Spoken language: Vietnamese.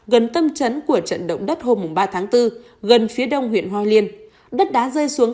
gần tâm chấn của trận động đất hôm ba tháng bốn gần phía đông huyện hoa liên đất đá rơi xuống